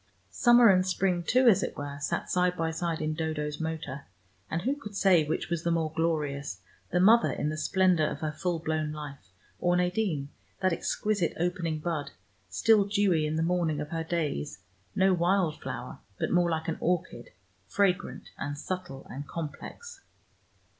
Summer and spring too, as it were, sat side by side in Dodo's motor, and who could say which was the more glorious, the mother in the splendor of her full blown life, or Nadine, that exquisite opening bud, still dewy in the morning of her days, no wild flower, but more like an orchid, fragrant and subtle and complex.